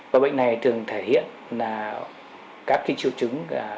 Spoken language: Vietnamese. và bệnh này thường thể hiện là các triệu chứng